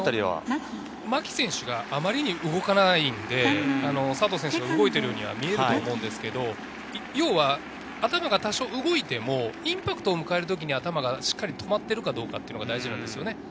牧選手があまりに動かないので、佐藤選手が動いているように見えると思うんですが、頭が多少動いてもインパクトの時に頭がしっかり止まっているかどうかが大事です。